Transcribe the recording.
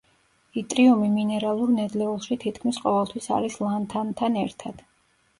იტრიუმი მინერალურ ნედლეულში თითქმის ყოველთვის არის ლანთანთან ერთად.